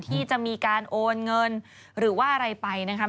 ที่จะมีการโอนเงินหรือว่าอะไรไปนะครับ